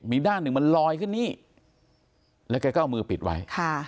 มีด้านหนึ่งมันลอยขึ้นนี่แล้วแกก็เอามือปิดไว้ค่ะ